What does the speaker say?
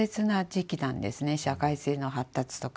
社会性の発達とか。